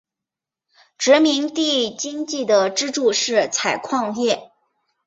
殖民地经济的支柱是采矿业。